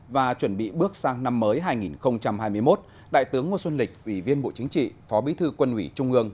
và chuẩn bị bước sang năm mới hai nghìn hai mươi một đại tướng ngô xuân lịch ủy viên bộ chính trị phó bí thư quân ủy trung ương